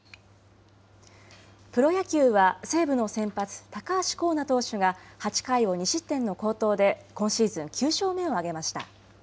プロ野球は西武の先発高橋光成投手が８回を２失点の好投で今シーズン９勝目を挙げました。